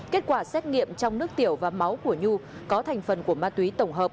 kết quả xét nghiệm trong nước tiểu và máu của nhu có thành phần của ma túy tổng hợp